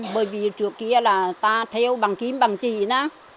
bởi vì trước kia là ta theo bằng kím bằng chỉ đó